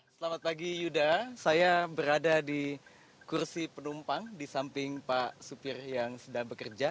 selamat pagi yuda saya berada di kursi penumpang di samping pak supir yang sudah bekerja